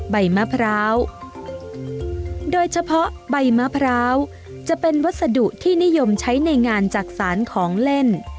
ใบมะพร้าวโดยเฉพาะใบมะพร้าวจะเป็นวัสดุที่นิยมใช้ในงานจักษานของเล่น